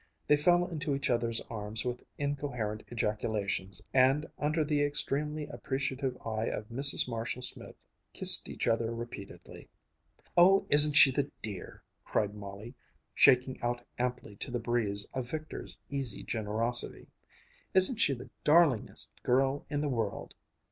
They fell into each other's arms with incoherent ejaculations and, under the extremely appreciative eye of Mrs. Marshall Smith, kissed each other repeatedly. "Oh, isn't she the dear!" cried Molly, shaking out amply to the breeze a victor's easy generosity. "Isn't she the darlingest girl in the world!